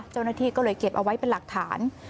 เจ้าหน้าที่ก็เลยเก็บเอาไว้เป็นหลักฐาน